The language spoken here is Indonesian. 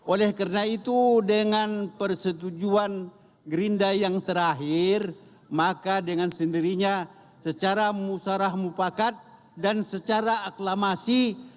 oleh karena itu dengan persetujuan gerinda yang terakhir maka dengan sendirinya secara musarah mupakat dan secara aklamasi